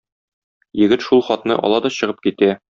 Егет шул хатны ала да чыгып китә.